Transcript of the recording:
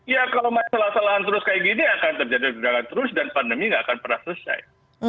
ya kalau masalah masalahan terus seperti ini akan terjadi dan pandemi tidak akan pernah selesai